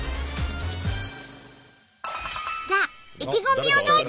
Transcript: さあ意気込みをどうぞ！